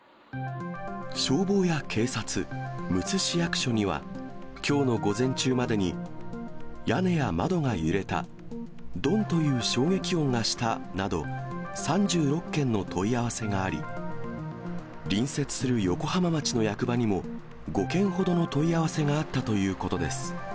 消防や警察、むつ市役所には、きょうの午前中までに、屋根や窓が揺れた、どんという衝撃音がしたなど、３６件の問い合わせがあり、隣接する横浜町の役場にも、５件ほどの問い合わせがあったということです。